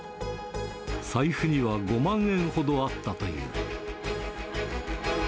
財布には５万円ほどあったという。